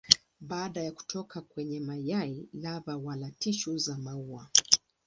Baada ya kutoka kwenye mayai lava wala tishu za maua.